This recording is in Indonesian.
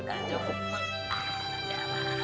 udah deh pulang yuk